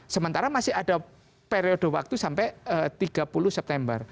sementara masih ada periode waktu sampai tiga puluh september